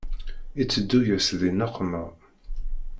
Iteddu-yas di nneqma.